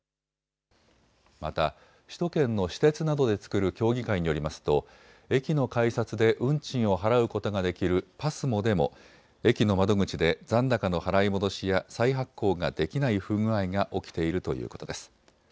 また首都圏の私鉄などで作る協議会によりますと駅の改札で運賃を払うことができるＰＡＳＭＯでも駅の窓口で残高の払い戻しや再発行ができない不具合が起きているということです。